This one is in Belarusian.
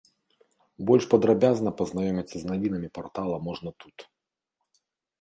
Больш падрабязна пазнаёміцца з навінамі партала можна тут.